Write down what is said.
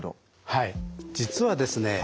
はい実はですね